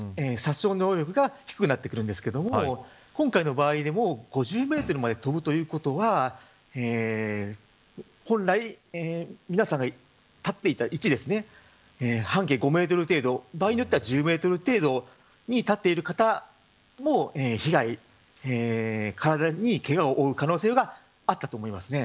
殺傷能力が低くなってくるんですけど今回の場合でも５０メートルまで飛ぶということは本来皆さんが立っていた位置半径５メートル程度場合によっては１０メートル程度に立っている方も身体にけがを負う可能性があったと思います。